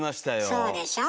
そうでしょ？